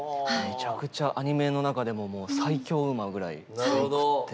めちゃくちゃアニメの中でももう最強馬ぐらい強くって。